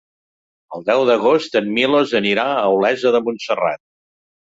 El deu d'agost en Milos anirà a Olesa de Montserrat.